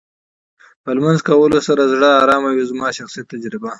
په لمونځ کولو سره زړه ارامه وې زما شخصي تجربه.